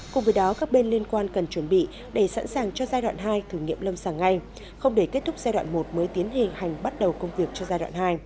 cùng với đó các bên liên quan cần chuẩn bị để sẵn sàng cho giai đoạn hai thử nghiệm lâm sàng ngay không để kết thúc giai đoạn một mới tiến hình hành bắt đầu công việc cho giai đoạn hai